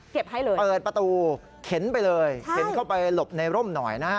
ให้เลยเปิดประตูเข็นไปเลยเข็นเข้าไปหลบในร่มหน่อยนะฮะ